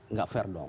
nggak fair dong